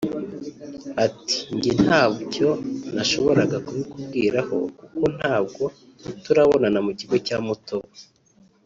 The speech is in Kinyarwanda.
Ati “Njye nta cyo nashobora kubikubwiraho kuko ntabwo turababona mu kigo cya Mutobo